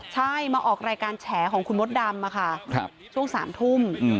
ใช่มาออกรายการแฉของคุณมดดำช่วง๓ทุ่ม